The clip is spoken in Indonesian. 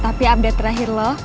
tapi update terakhir lo